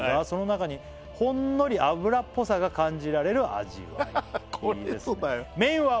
「その中にほんのり油っぽさが感じられる味わい」